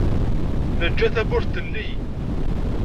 Neǧǧa tawwurt telli.